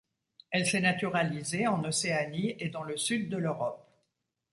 Elle s'est naturalisée en Océanie et dans le sud de l'Europe.